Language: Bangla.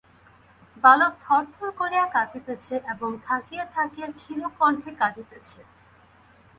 বালক থরধর করিয়া কাঁপিতেছে এবং থাকিয়া থাকিয়া ক্ষীণ কণ্ঠে কাঁদিতেছে।